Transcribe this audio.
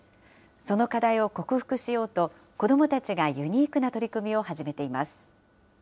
その課題を克服しようと、子どもたちがユニークな取り組みを始めています。